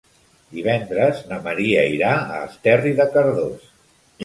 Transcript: Divendres na Maria irà a Esterri de Cardós.